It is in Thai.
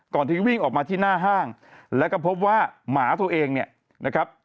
ที่วิ่งออกมาที่หน้าห้างแล้วก็พบว่าหมาตัวเองเนี่ยนะครับ